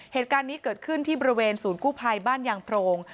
เหตุการณ์นี้เกิดขึ้นที่บริเวณศูนย์กู้ภัยบ้านยางโพรง